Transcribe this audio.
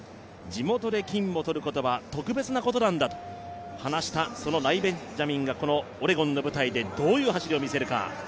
地元で金をとることは特別なことなんだと話したそのライ・ベンジャミンがオレゴンの舞台でどういう走りを見せるか。